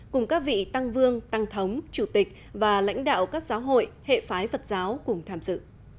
cùng các vị tăng vương tăng thống chủ tịch và lãnh đạo các giáo hội hệ phái phật giáo cùng tham dự